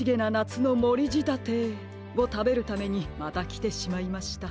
つのもりじたてをたべるためにまたきてしまいました。